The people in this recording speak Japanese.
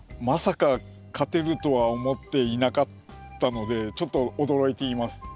まさか勝てるとは思っていなかったのでちょっと驚いています。